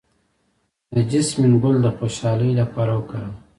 د جیسمین ګل د خوشحالۍ لپاره وکاروئ